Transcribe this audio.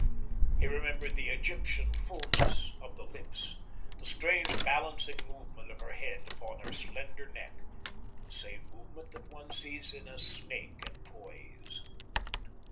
He remembered the Egyptian fulness of the lips, the strange balancing movement of her head upon her slender neck, the same movement that one sees in a snake at poise.